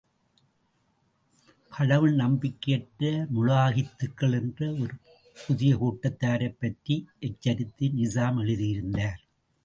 கடவுள் நம்பிக்கையற்ற முலாஹித்துக்கள் என்ற ஒரு புதிய கூட்டத்தாரைப் பற்றி எச்சரித்து நிசாம் எழுதியிருந்தார்.